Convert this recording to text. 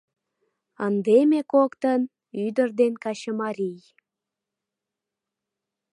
Ынде ме коктын — ӱдыр ден качымарий.